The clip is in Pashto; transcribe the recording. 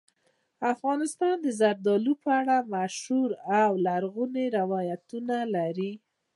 افغانستان د زردالو په اړه مشهور او لرغوني روایتونه لري.